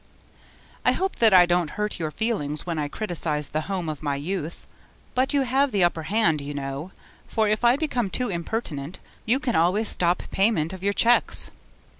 I hope that I don't hurt your feelings when I criticize the home of my youth? But you have the upper hand, you know, for if I become too impertinent, you can always stop payment of your cheques.